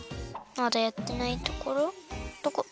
まだやってないところどこ？